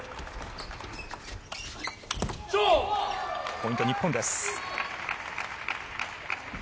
ポイント、日本です。